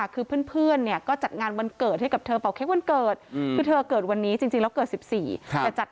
คือเพื่อนก็จัดงานวันเกิดให้กับเธอเป่าเค๊กวันเกิด